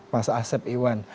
mas asep iwan